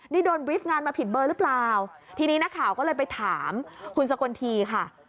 นี่โดนบริฟต์งานมาผิดเบอร์หรือเปล่าทีนี้นักข่าวก็เลยไปถามคุณสกลทีค่ะ